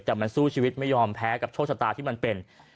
แต่มันสู้ชีวิตไม่ยอมแพ้กับโชคชะตาที่มันเป็น